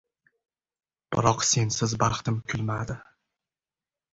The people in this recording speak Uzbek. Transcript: Biroq sensiz baxtim kulmadi